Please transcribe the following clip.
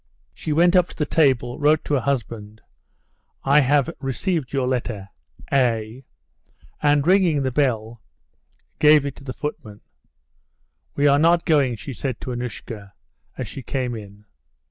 She went up to the table, wrote to her husband, "I have received your letter.—A."; and, ringing the bell, gave it to the footman. "We are not going," she said to Annushka, as she came in.